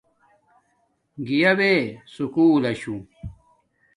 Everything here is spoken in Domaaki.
گیا بے سکُول لشو